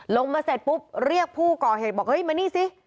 ลงมาเสร็จปุ๊บเรียกผู้ก่อเหตุบอกเฮ้ยมานี่สิ